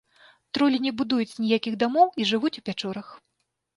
Тролі не будуюць ніякіх дамоў і жывуць у пячорах.